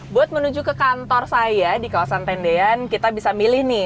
buat menuju ke kantor saya di kawasan tendean kita bisa milih nih